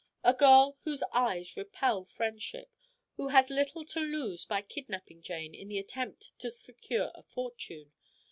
A girl whose eyes repel friendship; who has little to lose by kidnapping Jane in the attempt to secure a fortune.